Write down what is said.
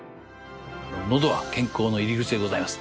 のどは健康の入り口でございます。